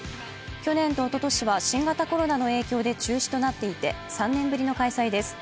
去年とおととしは新型コロナの影響で中止となっていて３年ぶりの開催です。